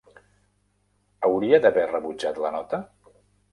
Hauria d'haver rebutjat la nota?